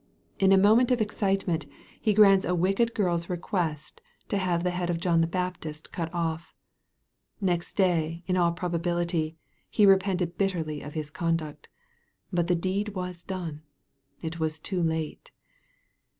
In a moment of excitement, he grants a wicked girl's request to have the head of John the Baptist cut off. Next day, in all probability, he re pented bitterly of his conduct. But the deed was done. It was too late.